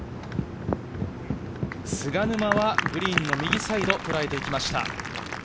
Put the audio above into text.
菅沼はグリーンの右サイドを捉えてきました。